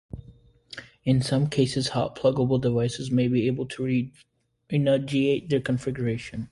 In some cases, hot pluggable devices may be able to renegotiate their configuration.